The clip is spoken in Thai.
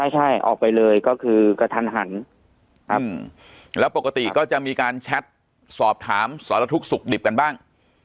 ใช่ออกไปเลยก็คือกระทันหันครับแล้วปกติก็จะมีการแชทสอบถามสารทุกข์สุขดิบกันบ้าง